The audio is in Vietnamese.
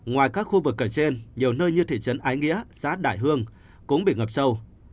ngoài các khu vực kể trên nhiều nơi như thị trấn ái nghĩa xã đại hương cũng bị ngập sâu